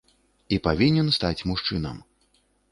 І павінен стаць мужчынам.